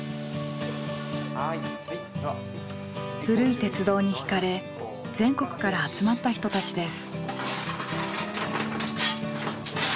古い鉄道にひかれ全国から集まった人たちです。